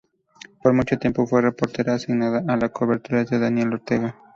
Por mucho tiempo fue reportera asignada a las coberturas de Daniel Ortega.